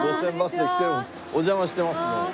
お邪魔してます。